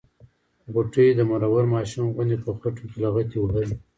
غوټۍ د مرور ماشوم غوندې په خټو کې لغتې وهلې.